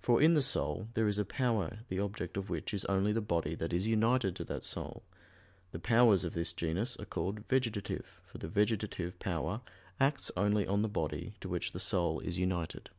For in the soul there is a power the object of which is only the body that is united to that soul; the powers of this genus are called "vegetative" for the vegetative power acts only on the body to which the soul is united.